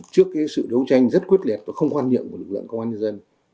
trước sự đấu tranh rất quyết liệt và không quan niệm của lực lượng công an nhân dân